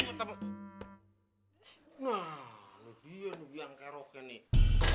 nah lo dia yang biang keroke nih